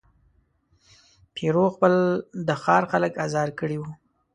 پیرو خپل د ښار خلک آزار کړي وه.